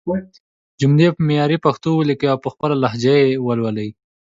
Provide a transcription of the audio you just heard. جملې په معياري پښتو وليکئ او په خپله لهجه يې ولولئ!